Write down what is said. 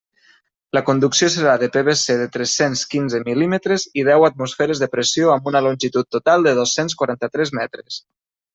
La conducció serà de PVC de tres-cents quinze mil·límetres i deu atmosferes de pressió amb una longitud total de dos-cents quaranta-tres metres.